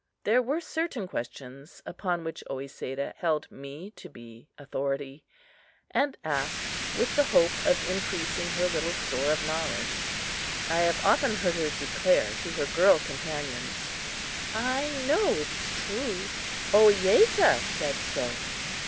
There were certain questions upon which Oesedah held me to be authority, and asked with the hope of increasing her little store of knowledge. I have often heard her declare to her girl companions: "I know it is true; Ohiyesa said so!"